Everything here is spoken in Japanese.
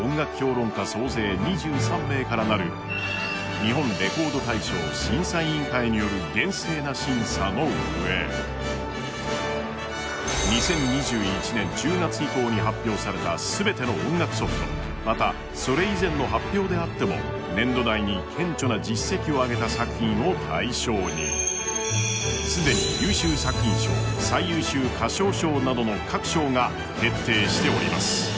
「日本レコード大賞」審査委員による厳正な審査の上、２０２１年１０月以降に発売された全ての音楽ソフト、また、それ以前の作品の発表であっても、年度内に顕著な実績を上げた作品を対象に既に、優秀作品賞、最優秀歌唱賞などの各賞が決定しております。